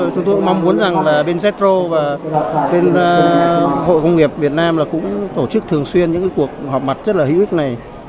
chúng tôi mong muốn rằng là bên zetro và bên hội công nghiệp việt nam cũng tổ chức thường xuyên những cuộc họp mặt rất là hữu ích này